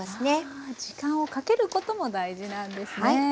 時間をかけることも大事なんですね。